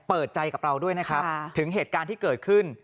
เปิดใจกับเราด้วยนะครับถึงเหตุการณ์ที่เกิดขึ้น